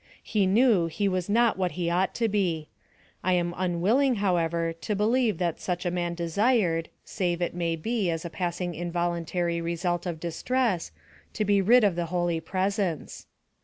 He knew he was not what he ought to be. I am unwilling however to believe that such a man desired, save, it may be, as a passing involuntary result of distress, to be rid of the holy presence.